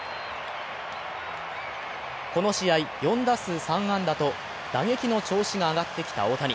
この試合、４打数３安打と打撃の調子が上がってきた大谷。